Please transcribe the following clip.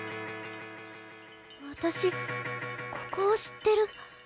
私ここを知ってる。